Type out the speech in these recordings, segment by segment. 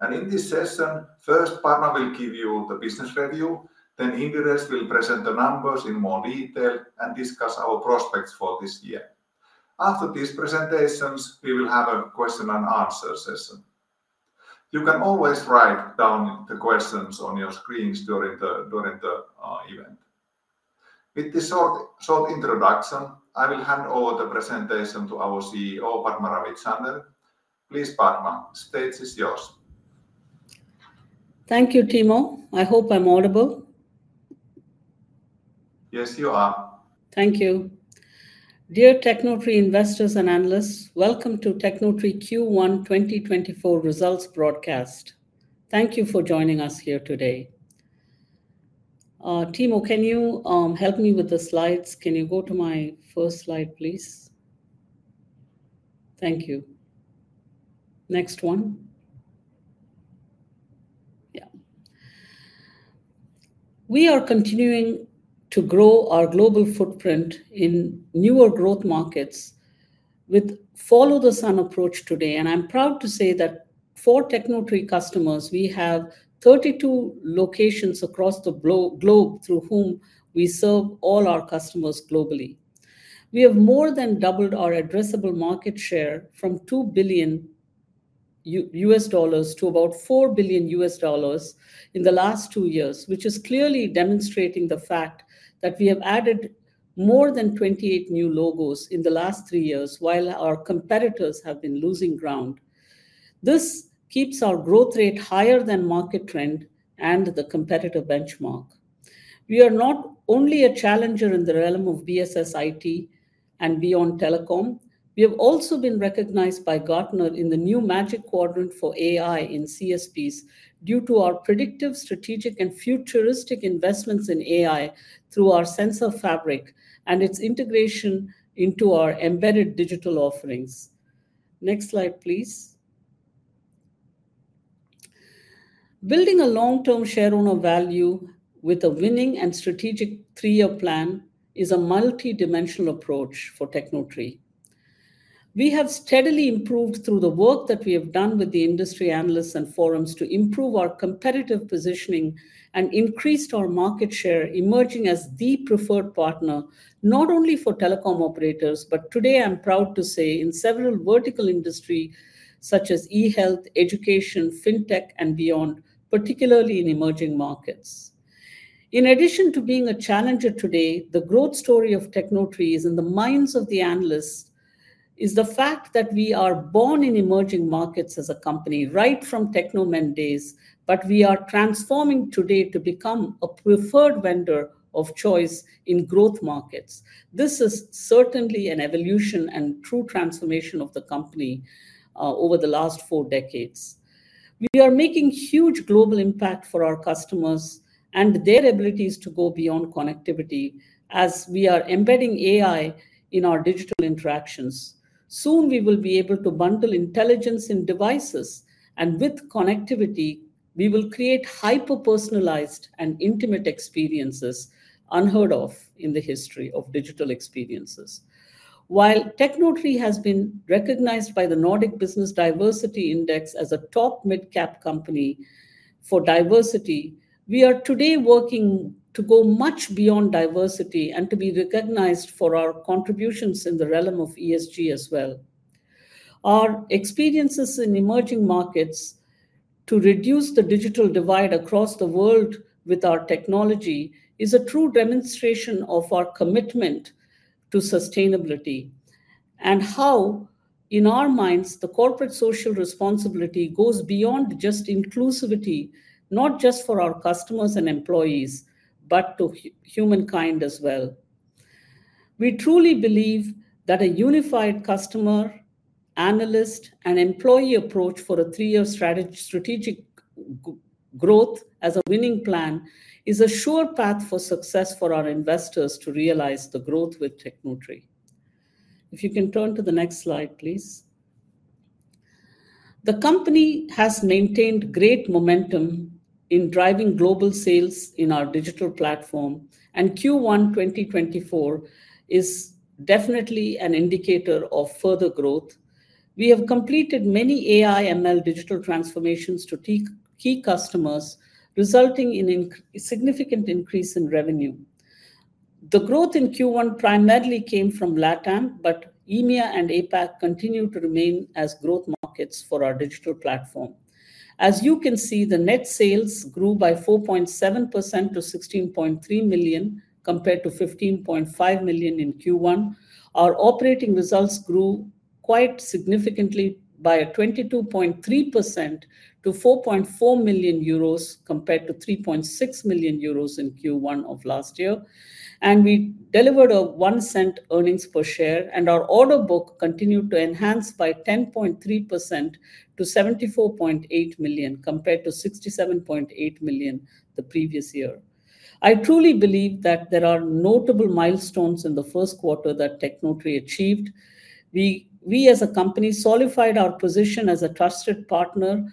In this session, first, Padma will give you the business review, then Indiresh will present the numbers in more detail and discuss our prospects for this year. After these presentations, we will have a question and answer session. You can always write down the questions on your screens during the event. With this short introduction, I will hand over the presentation to our CEO, Padma Ravichander. Please, Padma, the stage is yours. Thank you, Timo. I hope I'm audible. Yes, you are. Thank you. Dear Tecnotree investors and analysts, welcome to Tecnotree Q1 2024 Results broadcast. Thank you for joining us here today. Timo, can you help me with the slides? Can you go to my first slide, please? Thank you. Next one. Yeah. We are continuing to grow our global footprint in newer growth markets with follow-the-sun approach today, and I'm proud to say that for Tecnotree customers, we have 32 locations across the globe, through whom we serve all our customers globally. We have more than doubled our addressable market share from $2 billion to about $4 billion in the last two years, which is clearly demonstrating the fact that we have added more than 28 new logos in the last three years, while our competitors have been losing ground. This keeps our growth rate higher than market trend and the competitive benchmark. We are not only a challenger in the realm of BSS IT and beyond telecom, we have also been recognized by Gartner in the new Magic Quadrant for AI in CSPs, due to our predictive, strategic, and futuristic investments in AI through our Sensa Fabric and its integration into our embedded digital offerings. Next slide, please. Building a long-term shareowner value with a winning and strategic three-year plan is a multidimensional approach for Tecnotree. We have steadily improved through the work that we have done with the industry analysts and forums to improve our competitive positioning and increased our market share, emerging as the preferred partner, not only for telecom operators, but today, I'm proud to say, in several vertical industry, such as e-health, education, fintech, and beyond, particularly in emerging markets. In addition to being a challenger today, the growth story of Tecnotree is in the minds of the analysts, is the fact that we are born in emerging markets as a company, right from Tecnomen days, but we are transforming today to become a preferred vendor of choice in growth markets. This is certainly an evolution and true transformation of the company, over the last four decades. We are making huge global impact for our customers and their abilities to go beyond connectivity, as we are embedding AI in our digital interactions. Soon, we will be able to bundle intelligence in devices, and with connectivity, we will create hyper-personalized and intimate experiences unheard of in the history of digital experiences. While Tecnotree has been recognized by the Nordic Business Diversity Index as a top mid-cap company for diversity, we are today working to go much beyond diversity and to be recognized for our contributions in the realm of ESG as well. Our experiences in emerging markets to reduce the digital divide across the world with our technology is a true demonstration of our commitment to sustainability, and how, in our minds, the corporate social responsibility goes beyond just inclusivity, not just for our customers and employees, but to humankind as well. We truly believe that a unified customer, analyst, and employee approach for a three-year strategic growth as a winning plan is a sure path for success for our investors to realize the growth with Tecnotree. If you can turn to the next slide, please. The company has maintained great momentum in driving global sales in our digital platform, and Q1 2024 is definitely an indicator of further growth. We have completed many AI, ML digital transformations to key, key customers, resulting in a significant increase in revenue. The growth in Q1 primarily came from LatAm, but EMEA and APAC continue to remain as growth markets for our digital platform. As you can see, the net sales grew by 4.7% to 16.3 million, compared to 15.5 million in Q1. Our operating results grew quite significantly by 22.3% to 4.4 million euros, compared to 3.6 million euros in Q1 of last year, and we delivered a 0.01 earnings per share, and our order book continued to enhance by 10.3% to 74.8 million, compared to 67.8 million the previous year. I truly believe that there are notable milestones in the first quarter that Tecnotree achieved. We, as a company, solidified our position as a trusted partner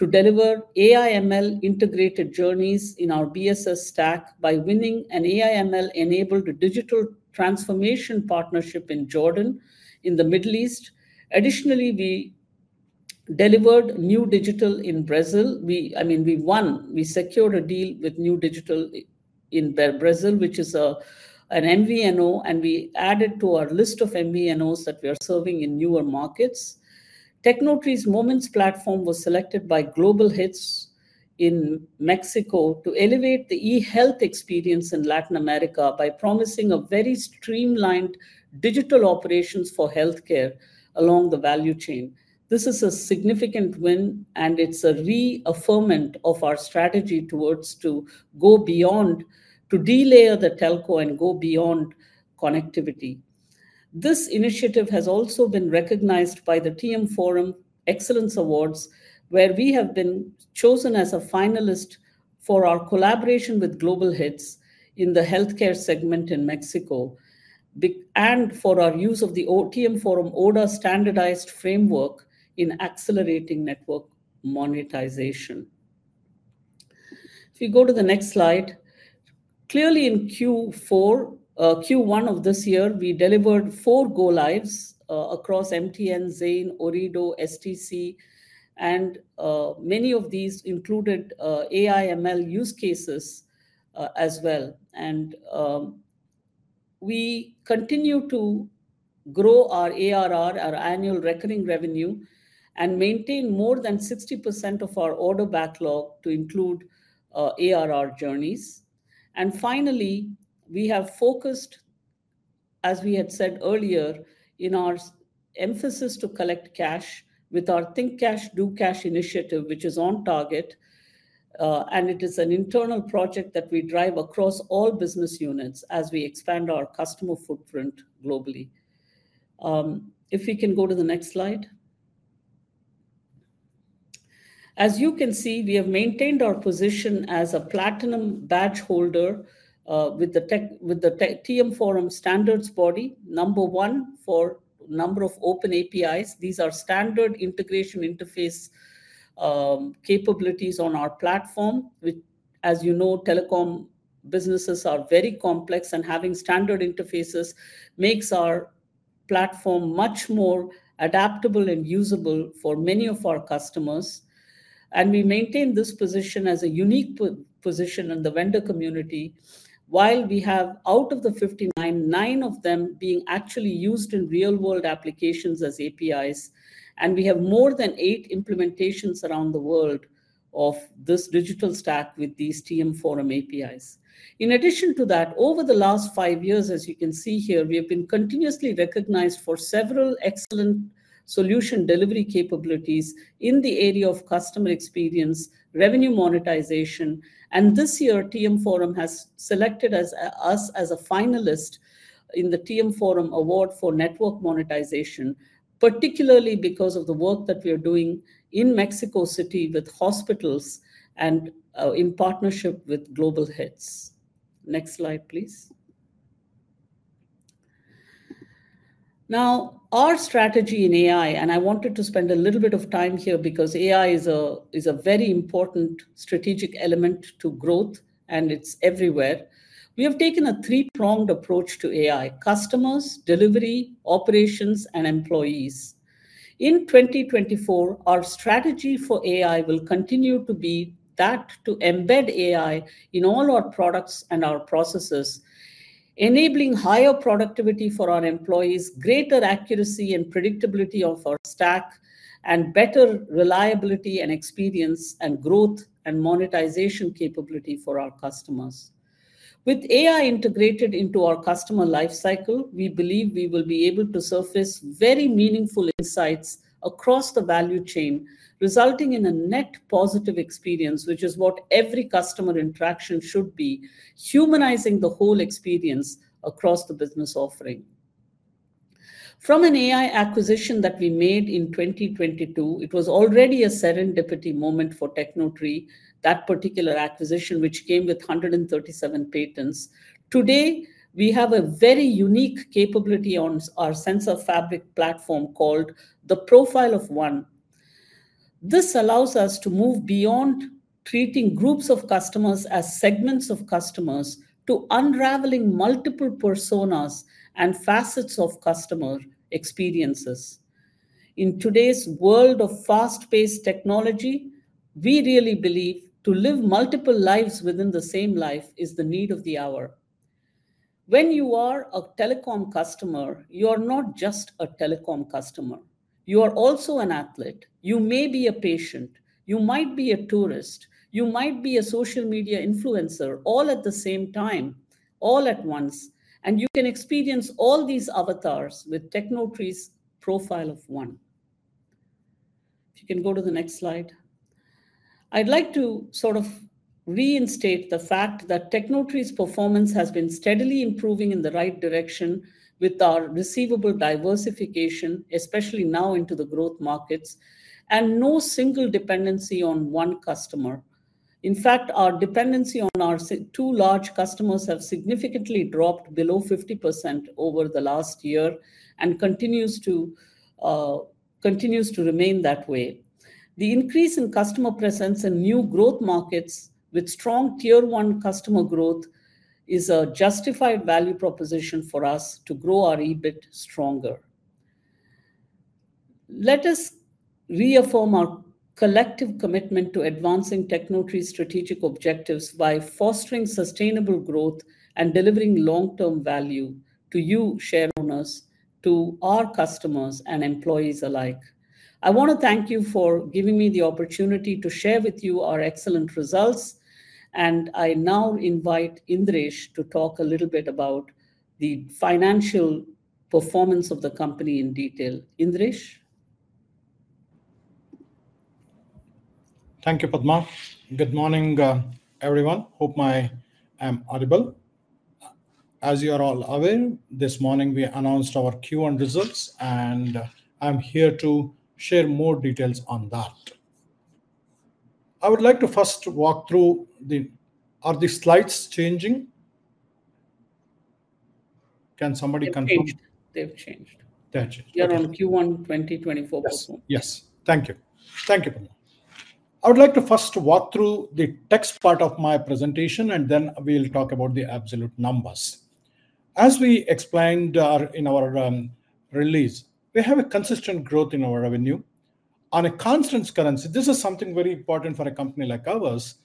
to deliver AI, ML integrated journeys in our BSS stack by winning an AI, ML-enabled digital transformation partnership in Jordan, in the Middle East. Additionally, we delivered new digital in Brazil. We, I mean, we won. We secured a deal with new digital MVNO in Brazil, which is an MVNO, and we added to our list of MVNOs that we are serving in newer markets. Tecnotree Moments platform was selected by Global Hitss in Mexico to elevate the e-health experience in Latin America by promising a very streamlined digital operations for healthcare along the value chain. This is a significant win, and it's a reaffirmation of our strategy to go beyond, to de-layer the telco and go beyond connectivity. This initiative has also been recognized by the TM Forum Excellence Awards, where we have been chosen as a finalist for our collaboration with Global Hitss in the healthcare segment in Mexico, and for our use of the ODA standardized framework in accelerating network monetization. If you go to the next slide. Clearly in Q4, Q1 of this year, we delivered 4 go-lives across MTN, Zain, Ooredoo, STC, and many of these included AI/ML use cases as well. We continue to grow our ARR, our annual recurring revenue, and maintain more than 60% of our order backlog to include ARR journeys. Finally, we have focused, as we had said earlier, in our emphasis to collect cash with our Think Cash, Do Cash initiative, which is on target, and it is an internal project that we drive across all business units as we expand our customer footprint globally. If we can go to the next slide. As you can see, we have maintained our position as a platinum badge holder with the TM Forum Standards Body, number one for number of Open APIs. These are standard integration interface capabilities on our platform. Which, as you know, telecom businesses are very complex, and having standard interfaces makes our platform much more adaptable and usable for many of our customers. We maintain this position as a unique position in the vendor community, while we have out of the 59, nine of them being actually used in real-world applications as APIs, and we have more than eight implementations around the world of this digital stack with these TM Forum APIs. In addition to that, over the last five years, as you can see here, we have been continuously recognized for several excellent solution delivery capabilities in the area of customer experience, revenue monetization, and this year, TM Forum has selected us as a finalist in the TM Forum Award for Network Monetization, particularly because of the work that we are doing in Mexico City with hospitals and in partnership with Global Hitss. Next slide, please. Now, our strategy in AI, and I wanted to spend a little bit of time here because AI is a very important strategic element to growth, and it's everywhere. We have taken a three-pronged approach to AI: customers, delivery, operations, and employees. In 2024, our strategy for AI will continue to be that to embed AI in all our products and our processes, enabling higher productivity for our employees, greater accuracy and predictability of our stack, and better reliability and experience, and growth and monetization capability for our customers. With AI integrated into our customer life cycle, we believe we will be able to surface very meaningful insights across the value chain, resulting in a net positive experience, which is what every customer interaction should be, humanizing the whole experience across the business offering. From an AI acquisition that we made in 2022, it was already a serendipity moment for Tecnotree, that particular acquisition, which came with 137 patents. Today, we have a very unique capability on our sensor fabric platform called the Profile of One. This allows us to move beyond treating groups of customers as segments of customers, to unraveling multiple personas and facets of customer experiences. In today's world of fast-paced technology, we really believe to live multiple lives within the same life is the need of the hour. When you are a telecom customer, you are not just a telecom customer. You are also an athlete, you may be a patient, you might be a tourist, you might be a social media influencer, all at the same time, all at once, and you can experience all these avatars with Tecnotree's Profile of One. If you can go to the next slide. I'd like to sort of reinstate the fact that Tecnotree's performance has been steadily improving in the right direction with our receivable diversification, especially now into the growth markets, and no single dependency on one customer. In fact, our dependency on our two large customers has significantly dropped below 50% over the last year and continues to remain that way. The increase in customer presence and new growth markets with strong tier one customer growth is a justified value proposition for us to grow our EBIT stronger. Let us reaffirm our collective commitment to advancing Tecnotree's strategic objectives by fostering sustainable growth and delivering long-term value to you, shareowners, to our customers, and employees alike. I wanna thank you for giving me the opportunity to share with you our excellent results, and I now invite Indiresh to talk a little bit about the financial performance of the company in detail. Indiresh? Thank you, Padma. Good morning, everyone. Hope I'm audible. As you are all aware, this morning we announced our Q1 results, and I'm here to share more details on that. I would like to first walk through the... Are the slides changing? Can somebody confirm? They've changed. They've changed. They've changed. You're on Q1 2024 performance. Yes. Yes. Thank you. Thank you. I would like to first walk through the text part of my presentation, and then we'll talk about the absolute numbers. As we explained in our release, we have a consistent growth in our revenue. On a constant currency, this is something very important for a company like ours,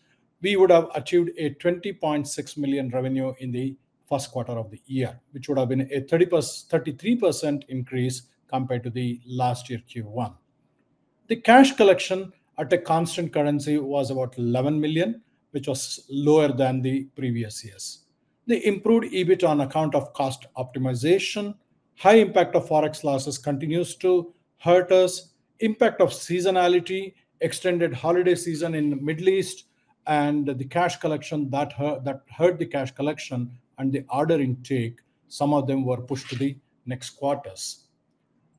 we would have achieved a 20.6 million revenue in the first quarter of the year, which would have been a 33% increase compared to the last year, Q1. The cash collection at a constant currency was about 11 million, which was lower than the previous years. The improved EBIT on account of cost optimization, high impact of Forex losses continues to hurt us. Impact of seasonality, extended holiday season in the Middle East, and the cash collection that hurt the cash collection and the order intake. Some of them were pushed to the next quarters.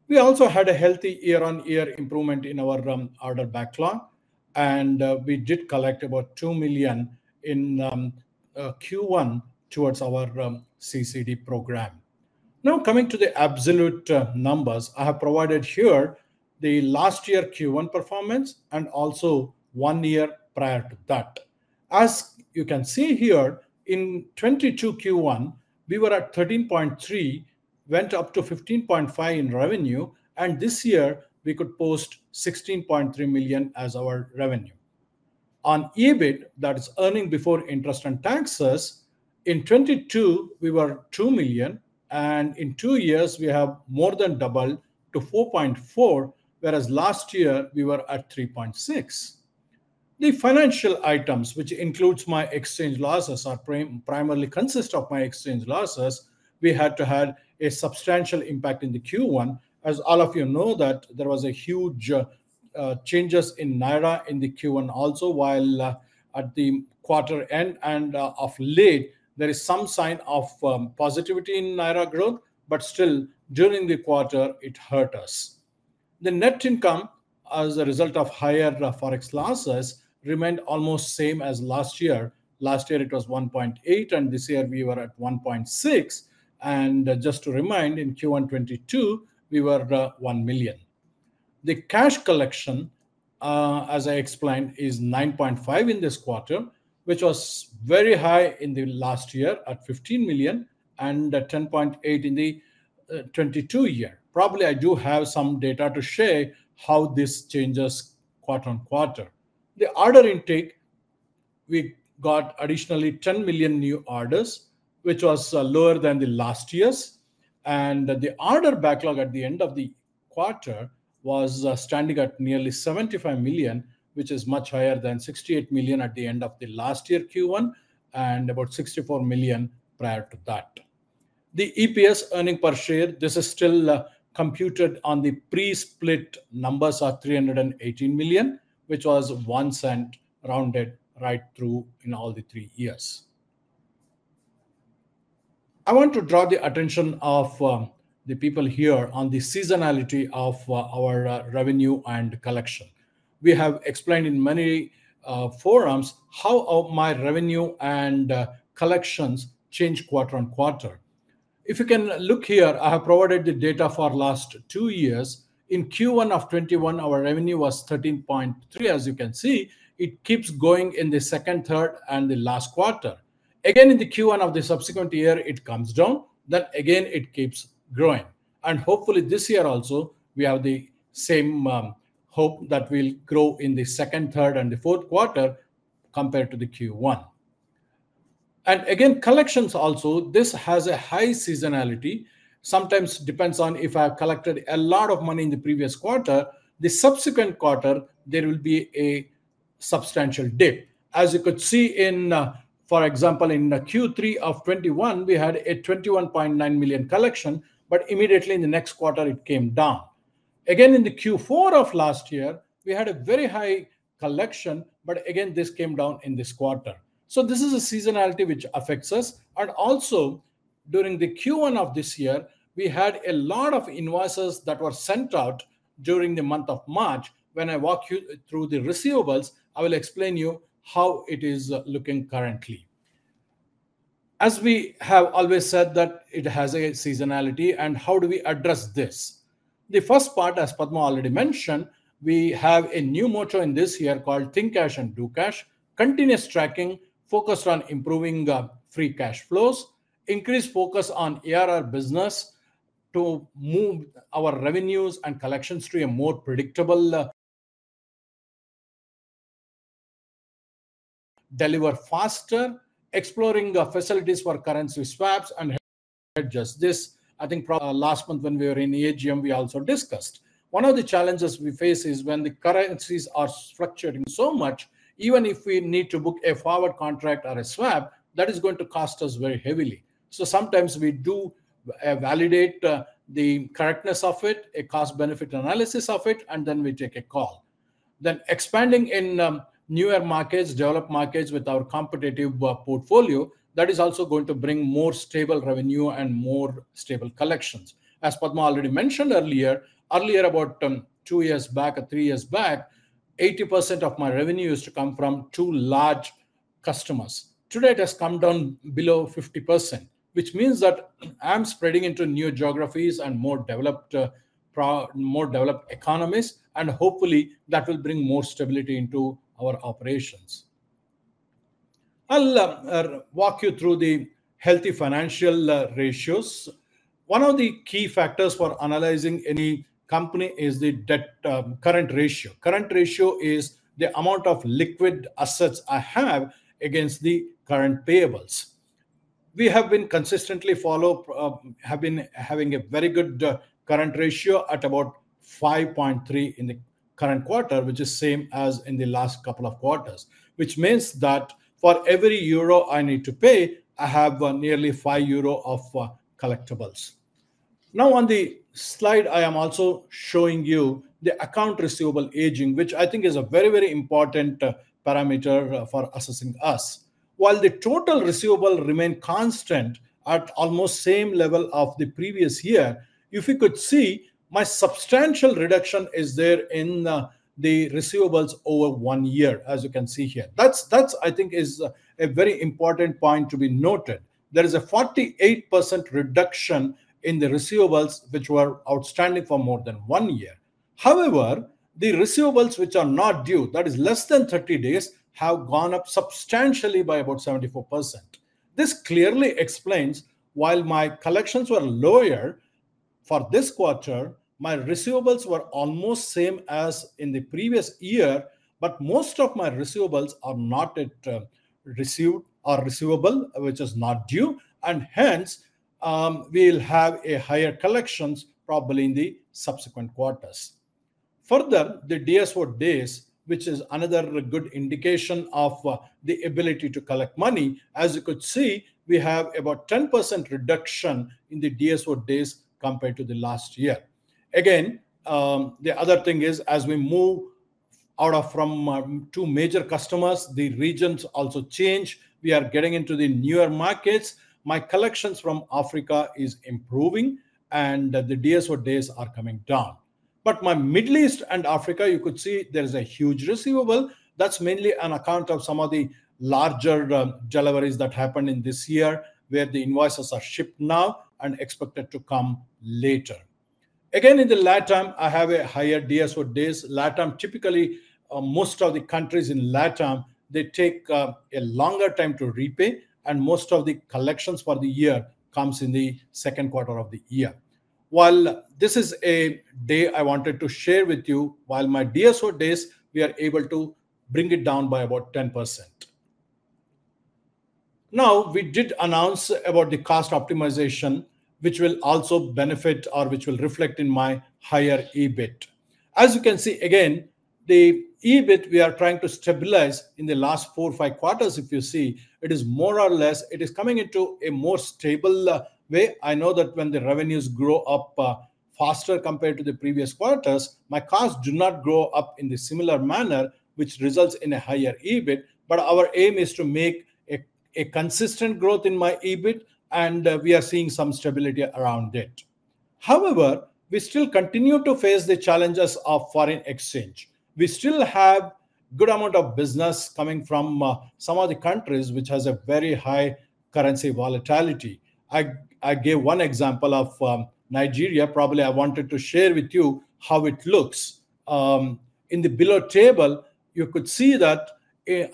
We also had a healthy year-on-year improvement in our order backlog, and we did collect about 2 million in Q1 towards our CCD program. Now, coming to the absolute numbers, I have provided here the last year Q1 performance and also one year prior to that. As you can see here, in 2022 Q1, we were at 13.3 million, went up to 15.5 million in revenue, and this year we could post 16.3 million as our revenue. On EBIT, that is earnings before interest and taxes, in 2022, we were 2 million, and in two years we have more than doubled to 4.4 million, whereas last year we were at 3.6 million. The financial items, which includes FX exchange losses, are primarily consist of FX exchange losses. We had to have a substantial impact in the Q1. As all of you know, that there was a huge changes in Naira in the Q1. Also, while at the quarter end and of late, there is some sign of positivity in Naira growth, but still, during the quarter, it hurt us. The net income, as a result of higher Forex losses, remained almost same as last year. Last year it was 1.8 million, and this year we were at 1.6 million. And just to remind, in Q1 2022, we were one million. The cash collection as I explained is 9.5 million in this quarter, which was very high in the last year at 15 million and at 10.8 million in the 2022 year. Probably, I do have some data to share how this changes quarter on quarter. The order intake, we got additionally 10 million new orders, which was lower than the last year's, and the order backlog at the end of the quarter was standing at nearly 75 million, which is much higher than 68 million at the end of the last year, Q1, and about 64 million prior to that. The EPS, earnings per share, this is still computed on the pre-split numbers, are 318 million, which was one cent rounded right through in all the 3 years. I want to draw the attention of the people here on the seasonality of our revenue and collection. We have explained in many forums how my revenue and collections change quarter-over-quarter. If you can look here, I have provided the data for last 2 years. In Q1 2021, our revenue was 13.3 million. As you can see, it keeps going in the second, third, and the last quarter. Again, in the Q1 of the subsequent year, it comes down, then again, it keeps growing. And hopefully, this year also, we have the same hope that we'll grow in the second, third, and the fourth quarter compared to the Q1. And again, collections also, this has a high seasonality. Sometimes depends on if I've collected a lot of money in the previous quarter. The subsequent quarter, there will be a substantial dip. As you could see in, for example, in the Q3 2021, we had a 21.9 million collection, but immediately in the next quarter, it came down. Again, in the Q4 of last year, we had a very high collection, but again, this came down in this quarter. So this is a seasonality which affects us, and also during the Q1 of this year, we had a lot of invoices that were sent out during the month of March. When I walk you through the receivables, I will explain you how it is looking currently... as we have always said that it has a seasonality, and how do we address this? The first part, as Padma already mentioned, we have a new motto in this year called Think Cash and Do Cash. Continuous tracking focused on improving, free cash flows, increased focus on ARR business to move our revenues and collections to a more predictable. Deliver faster, exploring, facilities for currency swaps and hedges. This, I think, probably last month when we were in AGM, we also discussed. One of the challenges we face is when the currencies are fluctuating so much, even if we need to book a forward contract or a swap, that is going to cost us very heavily. So sometimes we do validate the correctness of it, a cost-benefit analysis of it, and then we take a call. Then expanding in newer markets, developed markets with our competitive core portfolio, that is also going to bring more stable revenue and more stable collections. As Padma already mentioned earlier about two years back or three years back, 80% of my revenue used to come from two large customers. Today, it has come down below 50%, which means that I'm spreading into new geographies and more developed economies, and hopefully that will bring more stability into our operations. I'll walk you through the healthy financial ratios. One of the key factors for analyzing any company is the debt current ratio. Current ratio is the amount of liquid assets I have against the current payables. We have been consistently follow up have been having a very good current ratio at about 5.3 in the current quarter, which is same as in the last couple of quarters. Which means that for every euro I need to pay, I have nearly 5 euro of collectibles. Now, on the slide, I am also showing you the account receivable aging, which I think is a very, very important parameter for assessing us. While the total receivable remain constant at almost same level of the previous year, if you could see, my substantial reduction is there in the receivables over one year, as you can see here. That's I think is a very important point to be noted. There is a 48% reduction in the receivables, which were outstanding for more than one year. However, the receivables which are not due, that is less than 30 days, have gone up substantially by about 74%. This clearly explains, while my collections were lower for this quarter, my receivables were almost same as in the previous year, but most of my receivables are not at received or receivable, which is not due, and hence, we'll have a higher collections probably in the subsequent quarters. Further, the DSO days, which is another good indication of, the ability to collect money, as you could see, we have about 10% reduction in the DSO days compared to the last year. Again, the other thing is, as we move out of from, two major customers, the regions also change. We are getting into the newer markets. My collections from Africa is improving and the DSO days are coming down. But my Middle East and Africa, you could see there is a huge receivable. That's mainly on account of some of the larger, deliveries that happened in this year, where the invoices are shipped now and expected to come later. Again, in the LatAm, I have a higher DSO days. LatAm, typically, most of the countries in LatAm, they take a longer time to repay, and most of the collections for the year comes in the second quarter of the year. While this is data I wanted to share with you, while my DSO days, we are able to bring it down by about 10%. Now, we did announce about the cost optimization, which will also benefit, or which will reflect in my higher EBIT. As you can see, again, the EBIT, we are trying to stabilize. In the last four or five quarters, if you see, it is more or less, it is coming into a more stable way. I know that when the revenues grow up faster compared to the previous quarters, my costs do not grow up in the similar manner, which results in a higher EBIT. But our aim is to make a consistent growth in my EBIT, and we are seeing some stability around it. However, we still continue to face the challenges of foreign exchange. We still have good amount of business coming from some of the countries, which has a very high currency volatility. I gave one example of Nigeria. Probably, I wanted to share with you how it looks. In the below table, you could see that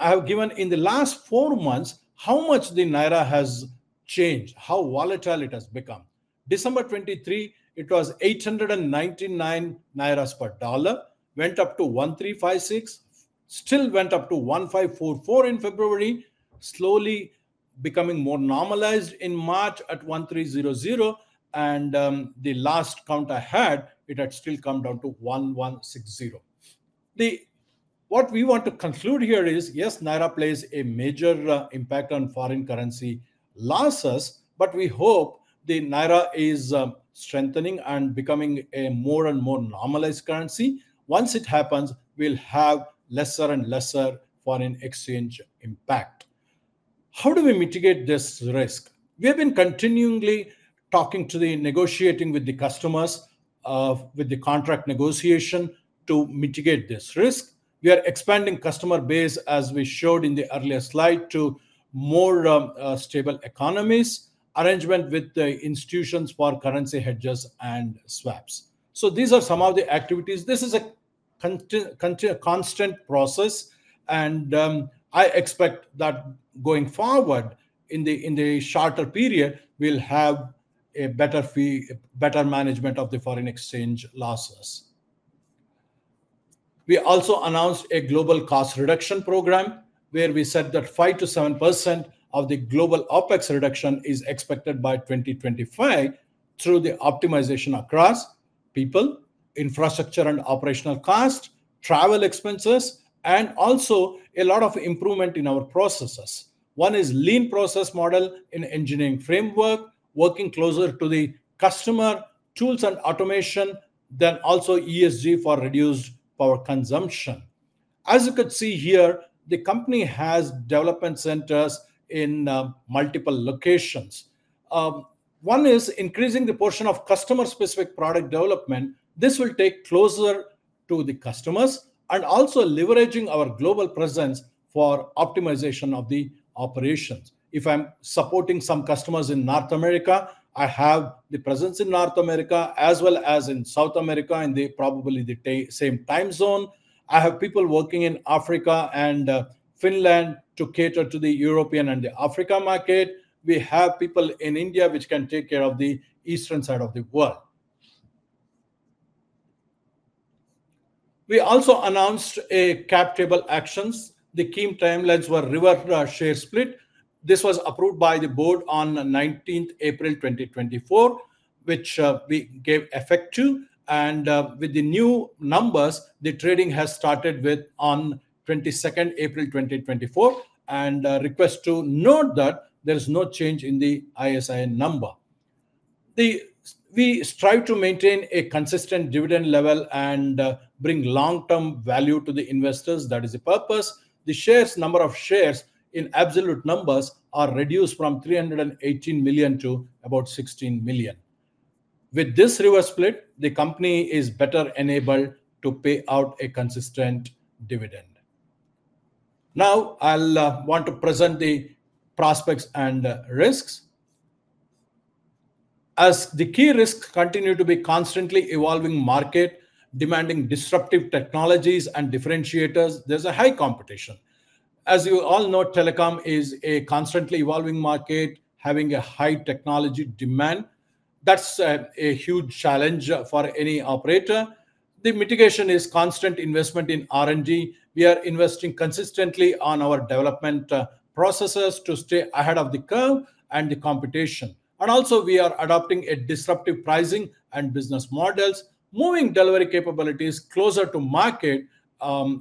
I've given in the last four months, how much the Naira has changed, how volatile it has become. December 2023, it was 899 naira per dollar, went up to 1,356, still went up to 1,544 in February, slowly becoming more normalized in March at 1,300, and, the last count I had, it had still come down to 1,160. What we want to conclude here is, yes, naira plays a major impact on foreign currency losses, but we hope the naira is strengthening and becoming a more and more normalized currency. Once it happens, we'll have lesser and lesser foreign exchange impact. How do we mitigate this risk? We have been continually talking to the negotiating with the customers with the contract negotiation to mitigate this risk. We are expanding customer base, as we showed in the earlier slide, to more stable economies, arrangement with the institutions for currency hedges and swaps. So these are some of the activities. This is a constant process, and I expect that going forward in the shorter period, we'll have a better fee, better management of the foreign exchange losses. We also announced a global cost reduction program, where we said that 5%-7% of the global OpEx reduction is expected by 2025 through the optimization across people, infrastructure, and operational costs, travel expenses, and also a lot of improvement in our processes. One is lean process model in engineering framework, working closer to the customer, tools and automation, then also ESG for reduced power consumption. As you can see here, the company has development centers in multiple locations. One is increasing the portion of customer-specific product development. This will take closer to the customers and also leveraging our global presence for optimization of the operations. If I'm supporting some customers in North America, I have the presence in North America as well as in South America, in the probably the same time zone. I have people working in Africa and, Finland to cater to the European and the Africa market. We have people in India, which can take care of the eastern side of the world. We also announced a cap table actions. The key timelines were reverse share split. This was approved by the board on 19 April 2024, which, we gave effect to, and, with the new numbers, the trading has started with on 22 April 2024, and, request to note that there's no change in the ISIN number. We strive to maintain a consistent dividend level and bring long-term value to the investors. That is the purpose. The shares, number of shares in absolute numbers are reduced from 318 million to about 16 million. With this reverse split, the company is better enabled to pay out a consistent dividend. Now, I'll want to present the prospects and risks. As the key risks continue to be constantly evolving market, demanding disruptive technologies and differentiators, there's a high competition. As you all know, telecom is a constantly evolving market, having a high technology demand. That's a huge challenge for any operator. The mitigation is constant investment in R&D. We are investing consistently on our development processes to stay ahead of the curve and the competition, and also, we are adopting a disruptive pricing and business models, moving delivery capabilities closer to market,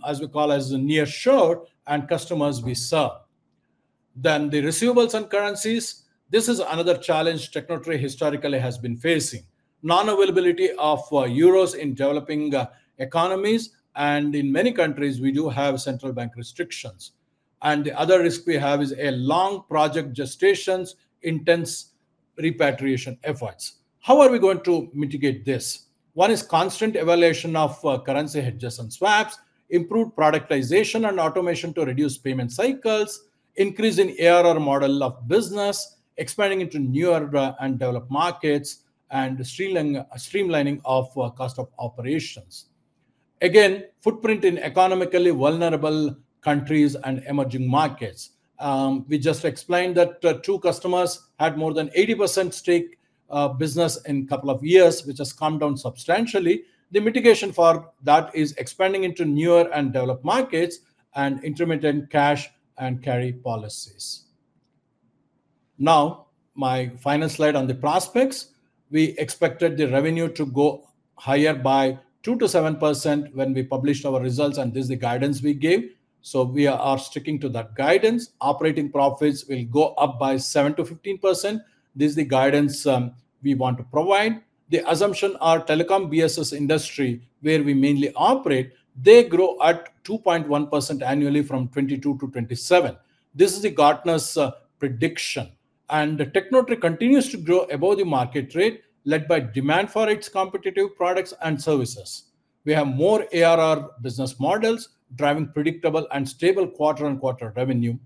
as we call as the nearshore and customers we serve. Then the receivables and currencies, this is another challenge Tecnotree historically has been facing. Non-availability of euros in developing economies, and in many countries, we do have central bank restrictions, and the other risk we have is a long project gestations, intense repatriation efforts. How are we going to mitigate this? One is constant evaluation of currency hedges and swaps, improved productization and automation to reduce payment cycles, increase in ARR model of business, expanding into newer and developed markets, and streamlining of cost of operations. Again, footprint in economically vulnerable countries and emerging markets. We just explained that two customers had more than 80% stake, business in couple of years, which has come down substantially. The mitigation for that is expanding into newer and developed markets and intermittent cash and carry policies. Now, my final slide on the prospects. We expected the revenue to go higher by 2%-7% when we published our results, and this is the guidance we gave, so we are sticking to that guidance. Operating profits will go up by 7%-15%. This is the guidance we want to provide. The assumption our telecom BSS industry, where we mainly operate, they grow at 2.1% annually from 2022 to 2027. This is the Gartner’s prediction, and Tecnotree continues to grow above the market rate, led by demand for its competitive products and services. We have more ARR business models, driving predictable and stable quarter-on-quarter revenue.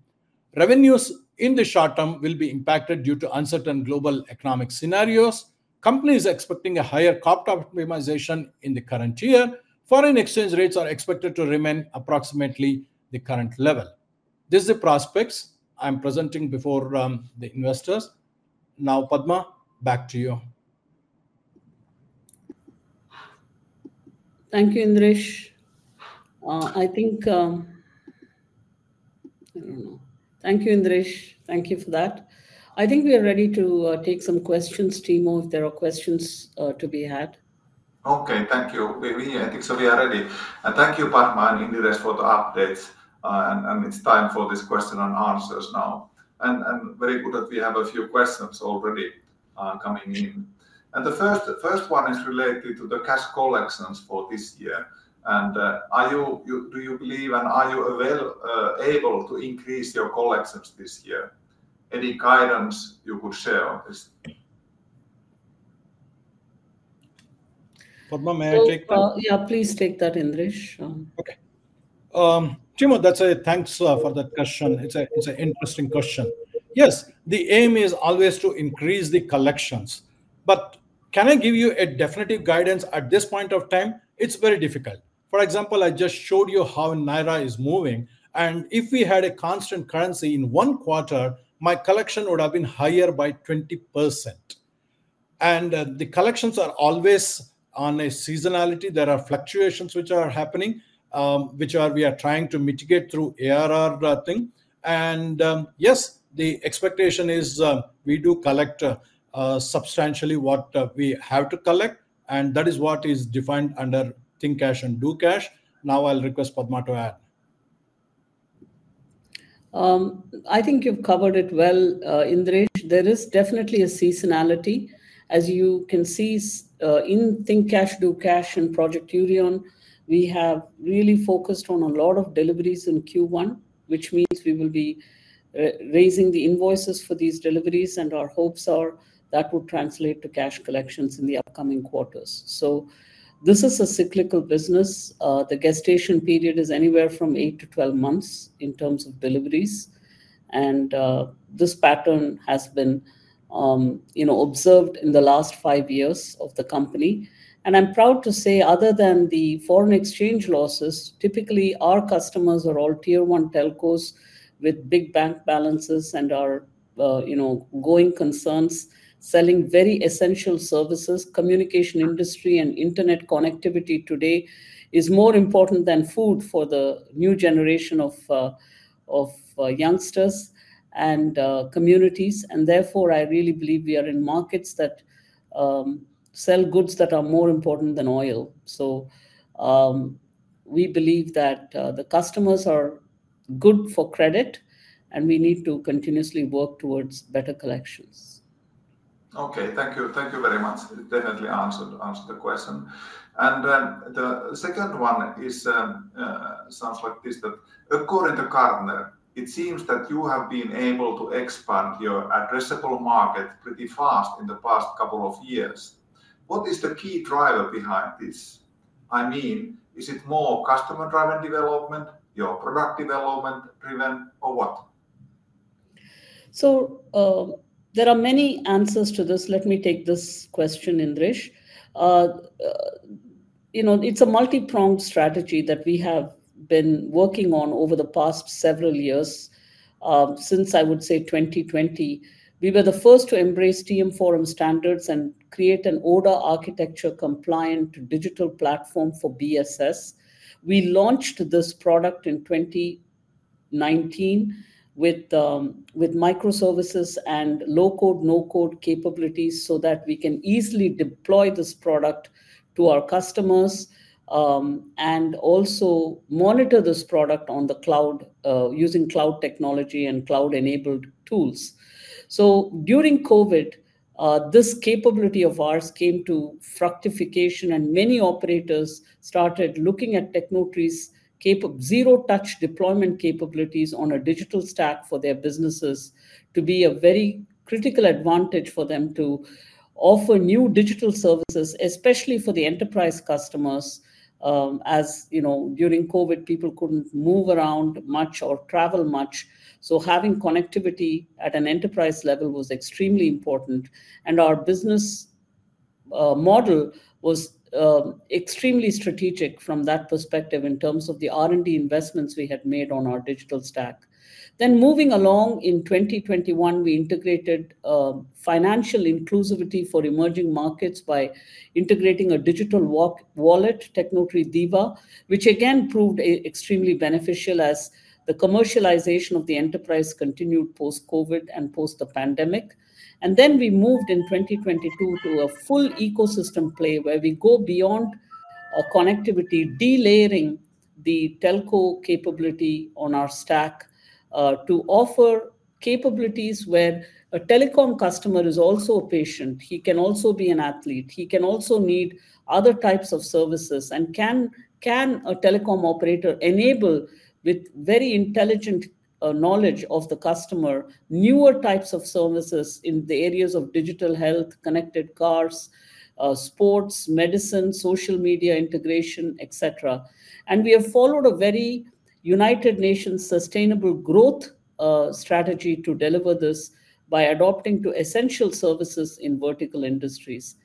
Revenues in the short term will be impacted due to uncertain global economic scenarios. Company is expecting a higher top optimization in the current year. Foreign exchange rates are expected to remain approximately the current level. This is the prospects I'm presenting before the investors. Now, Padma, back to you. Thank you, Indiresh. I think, I don't know. Thank you, Indiresh. Thank you for that. I think we are ready to take some questions, Timo, if there are questions to be had. Okay. Thank you. We, I think, so we are ready. And thank you, Padma and Indiresh, for the updates, and it's time for this question and answers now. And very good that we have a few questions already coming in, and the first one is related to the cash collections for this year. And, are you do you believe, and are you available to increase your collections this year?... any guidance you could share on this? Padma, may I take that? Yeah, please take that, Indiresh. Okay. Timo, that's a thanks for that question. It's an interesting question. Yes, the aim is always to increase the collections, but can I give you a definitive guidance at this point of time? It's very difficult. For example, I just showed you how Naira is moving, and if we had a constant currency in one quarter, my collection would have been higher by 20%. And, the collections are always on a seasonality. There are fluctuations which are happening, which we are trying to mitigate through ARR thing. And, yes, the expectation is, we do collect substantially what we have to collect, and that is what is defined under Think Cash, Do Cash. Now, I'll request Padma to add. I think you've covered it well, Indiresh. There is definitely a seasonality. As you can see, in Think Cash, Do Cash and Project Orion, we have really focused on a lot of deliveries in Q1, which means we will be raising the invoices for these deliveries, and our hopes are that will translate to cash collections in the upcoming quarters. So this is a cyclical business. The gestation period is anywhere from 8-12 months in terms of deliveries. And this pattern has been, you know, observed in the last 5 years of the company. And I'm proud to say, other than the foreign exchange losses, typically, our customers are all tier one telcos with big bank balances and are, you know, going concerns, selling very essential services. Communication industry and internet connectivity today is more important than food for the new generation of youngsters and communities. And therefore, I really believe we are in markets that sell goods that are more important than oil. So, we believe that the customers are good for credit, and we need to continuously work towards better collections. Okay. Thank you. Thank you very much. Definitely answered, answered the question. The second one is, sounds like this, that according to Gartner, it seems that you have been able to expand your addressable market pretty fast in the past couple of years. What is the key driver behind this? I mean, is it more customer-driven development, your product development driven, or what? So, there are many answers to this. Let me take this question, Indiresh. You know, it's a multi-pronged strategy that we have been working on over the past several years, since I would say 2020. We were the first to embrace TM Forum standards and create an ODA-compliant digital platform for BSS. We launched this product in 2019 with microservices and low-code, no-code capabilities so that we can easily deploy this product to our customers, and also monitor this product on the cloud, using cloud technology and cloud-enabled tools. So during COVID, this capability of ours came to fructification, and many operators started looking at Tecnotree's zero-touch deployment capabilities on a digital stack for their businesses to be a very critical advantage for them to offer new digital services, especially for the enterprise customers. As you know, during COVID, people couldn't move around much or travel much, so having connectivity at an enterprise level was extremely important, and our business model was extremely strategic from that perspective in terms of the R&D investments we had made on our digital stack. Then moving along in 2021, we integrated financial inclusivity for emerging markets by integrating a digital wallet, Tecnotree DiWa, which again proved extremely beneficial as the commercialization of the enterprise continued post-COVID and post the pandemic. And then we moved in 2022 to a full ecosystem play, where we go beyond our connectivity, delayering the telco capability on our stack, to offer capabilities where a telecom customer is also a patient. He can also be an athlete. He can also need other types of services. Can a telecom operator enable, with very intelligent, knowledge of the customer, newer types of services in the areas of digital health, connected cars, sports, medicine, social media integration, et cetera? We have followed a very United Nations sustainable growth strategy to deliver this by adopting to essential services in vertical industries.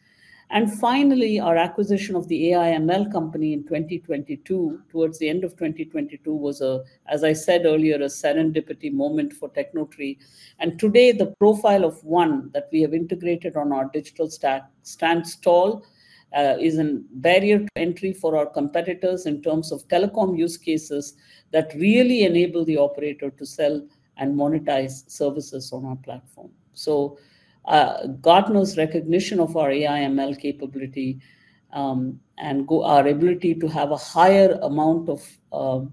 Finally, our acquisition of the AI/ML company in 2022, towards the end of 2022, was a, as I said earlier, a serendipity moment for Tecnotree. Today, the Profile of One that we have integrated on our digital stack stands tall, is a barrier to entry for our competitors in terms of telecom use cases that really enable the operator to sell and monetize services on our platform. So, Gartner's recognition of our AI/ML capability, and go... Our ability to have a higher amount of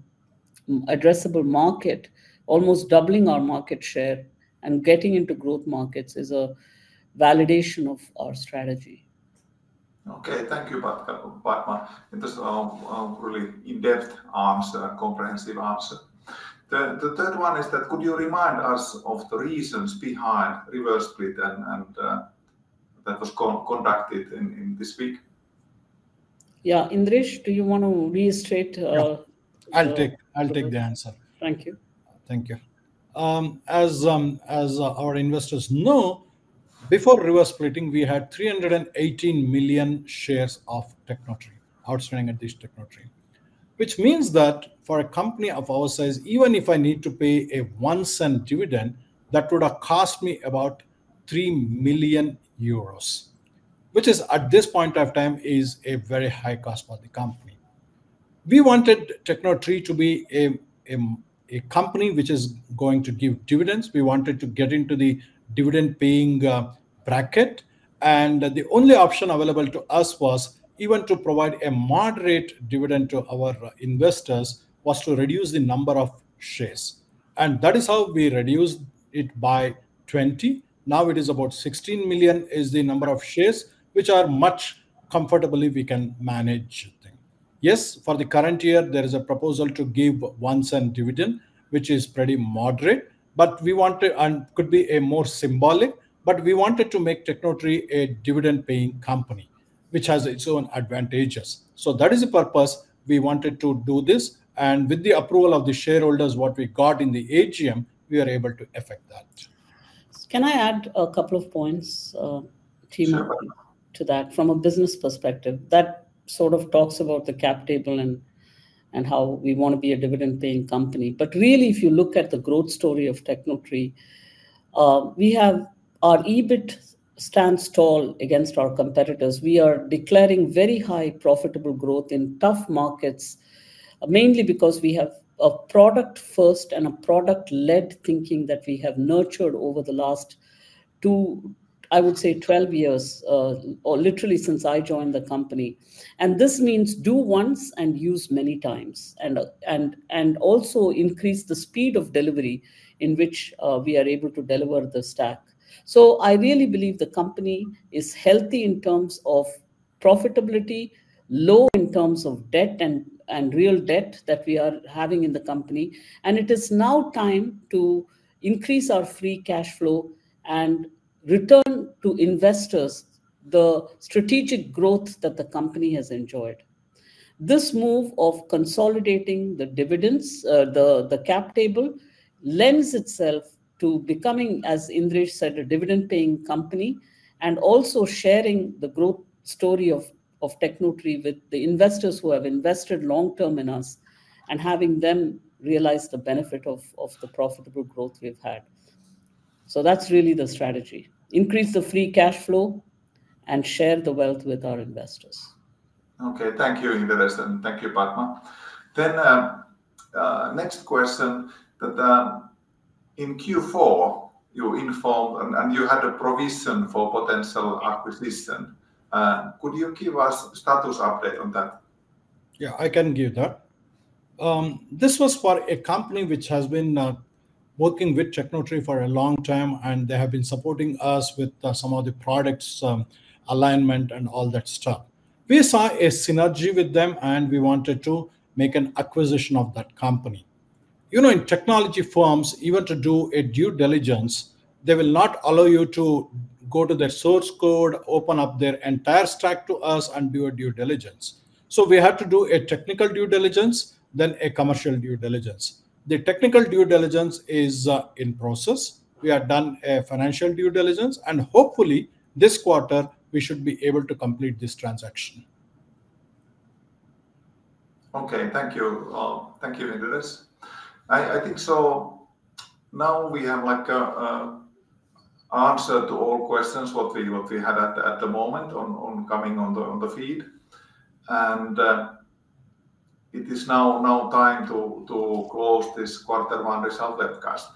addressable market, almost doubling our market share and getting into growth markets, is a validation of our strategy.... Okay, thank you, Padma, Padma. It is really in-depth answer and comprehensive answer. The third one is, could you remind us of the reasons behind reverse split and that was conducted in this week? Yeah, Indiresh, do you want to reiterate? I'll take the answer. Thank you. Thank you. As our investors know, before reverse splitting, we had 318 million shares of Tecnotree outstanding at this Tecnotree, which means that for a company of our size, even if I need to pay a 0.01 dividend, that would have cost me about 3 million euros, which is, at this point of time, is a very high cost for the company. We wanted Tecnotree to be a, a company which is going to give dividends. We wanted to get into the dividend-paying bracket, and the only option available to us was even to provide a moderate dividend to our investors, was to reduce the number of shares, and that is how we reduced it by 20. Now, it is about 16 million is the number of shares, which are much comfortably we can manage. Yes, for the current year, there is a proposal to give EUR 0.01 dividend, which is pretty moderate, but we wanted... and could be a more symbolic, but we wanted to make Tecnotree a dividend-paying company, which has its own advantages. So that is the purpose we wanted to do this, and with the approval of the shareholders, what we got in the AGM, we are able to effect that. Can I add a couple of points, Timo- Sure. To that? From a business perspective, that sort of talks about the cap table and, and how we want to be a dividend-paying company. But really, if you look at the growth story of Tecnotree, we have our EBIT stands tall against our competitors. We are declaring very high profitable growth in tough markets, mainly because we have a product first and a product-led thinking that we have nurtured over the last two, I would say, 12 years, or literally since I joined the company, and this means do once and use many times and, and, and also increase the speed of delivery in which, we are able to deliver the stack. So I really believe the company is healthy in terms of profitability, low in terms of debt and real debt that we are having in the company, and it is now time to increase our free cash flow and return to investors the strategic growth that the company has enjoyed. This move of consolidating the dividends, the cap table, lends itself to becoming, as Indiresh said, a dividend-paying company, and also sharing the growth story of Tecnotree with the investors who have invested long-term in us and having them realize the benefit of the profitable growth we've had. So that's really the strategy: increase the free cash flow and share the wealth with our investors. Okay. Thank you, Indiresh, and thank you, Padma. Then, next question that, in Q4, you informed and you had a provision for potential acquisition. Could you give us status update on that? Yeah, I can give that. This was for a company which has been working with Tecnotree for a long time, and they have been supporting us with some of the products, alignment and all that stuff. We saw a synergy with them, and we wanted to make an acquisition of that company. You know, in technology firms, even to do a due diligence, they will not allow you to go to their source code, open up their entire stack to us, and do a due diligence. So we had to do a technical due diligence, then a commercial due diligence. The technical due diligence is in process. We have done a financial due diligence, and hopefully, this quarter, we should be able to complete this transaction. Okay. Thank you. Thank you, Indiresh. I think so now we have, like, a answer to all questions, what we had at the moment on coming on the feed. And it is now time to close this quarter one result webcast.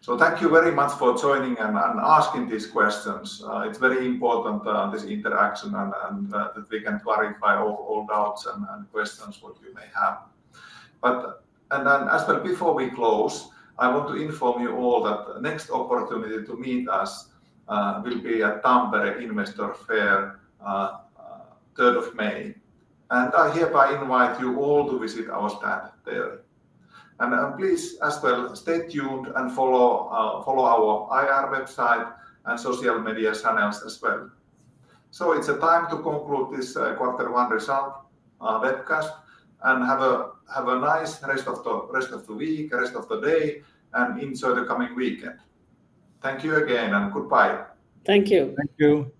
So thank you very much for joining and asking these questions. It's very important, this interaction and that we can clarify all doubts and questions what you may have. But. And then as well, before we close, I want to inform you all that next opportunity to meet us will be at Tampere Investor Fair, third of May, and I hereby invite you all to visit our stand there. Please, as well, stay tuned and follow our IR website and social media channels as well. It's time to conclude this quarter one result webcast, and have a nice rest of the week, rest of the day, and enjoy the coming weekend. Thank you again, and goodbye. Thank you. Thank you.